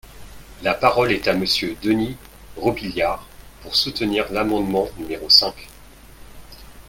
La parole est à Monsieur Denys Robiliard, pour soutenir l’amendement numéro cinq.